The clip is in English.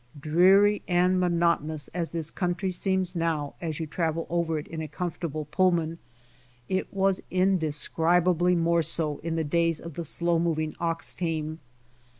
Dreary and monotonous as this country seems now as you travel over it in a comfortable Pullman, it was indescribably more so in the days of the slow moving ox team.